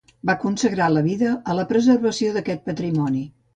Va consagrar la vida a la preservació d'aquest patrimoni.